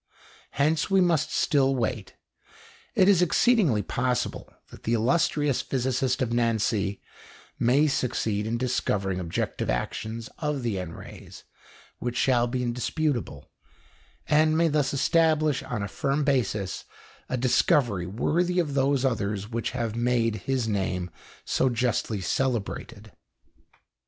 Hence we must still wait; it is exceedingly possible that the illustrious physicist of Nancy may succeed in discovering objective actions of the N rays which shall be indisputable, and may thus establish on a firm basis a discovery worthy of those others which have made his name so justly celebrated.